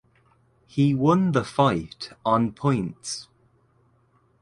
He won the fight on points.